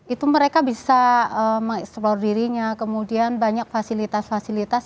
itu mereka bisa mengeksplor dirinya kemudian banyak fasilitas fasilitas